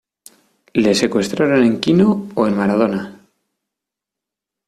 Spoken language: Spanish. ¿Le secuestraron en Quino o en Maradona?